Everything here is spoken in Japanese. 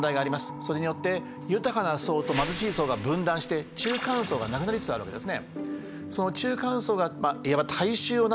それによって豊かな層と貧しい層が分断して中間層がなくなりつつあるわけですね。